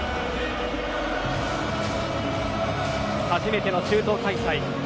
初めての中東開催。